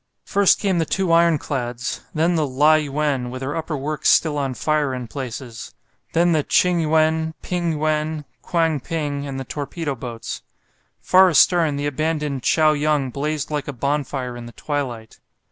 First came the two ironclads; then the "Lai yuen," with her upper works still on fire in places; then the "Ching yuen," "Ping yuen," "Kwang ping," and the torpedo boats. Far astern the abandoned "Chao yung" blazed like a bonfire in the twilight.